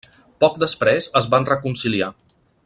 Poc després es van reconciliar.